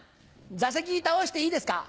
座席倒していいですか？